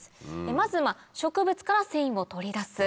まず植物から繊維を取り出す。